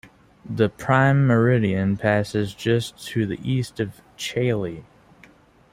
The Prime Meridian passes just to the east of Chailey.